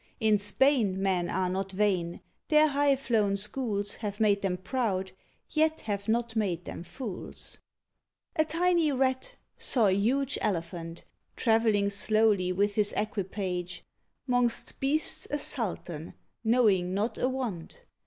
In Spain men are not vain; their high flown schools Have made them proud, yet have not made them fools. A tiny Rat saw a huge Elephant Travelling slowly with his equipage; 'Mongst beasts a sultan, knowing not a want.